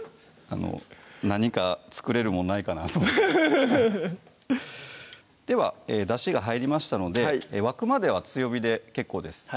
何か作れるもんないかなと思ってハハハではだしが入りましたので沸くまでは強火で結構です